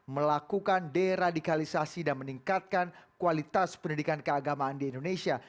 melakukan deradikalisasi dan meningkatkan kualitas pendidikan keagamaan di indonesia